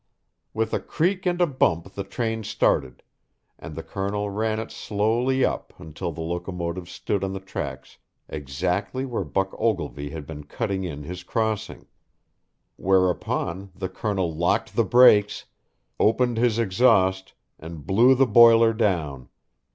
With a creak and a bump the train started, and the Colonel ran it slowly up until the locomotive stood on the tracks exactly where Buck Ogilvy had been cutting in his crossing; whereupon the Colonel locked the brakes, opened his exhaust, and blew the boiler down.